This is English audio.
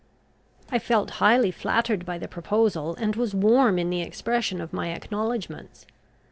I felt highly flattered by the proposal, and was warm in the expression of my acknowledgments.